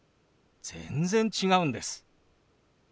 全然違うんです。